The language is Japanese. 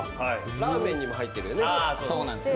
ラーメンにも入ってるよね。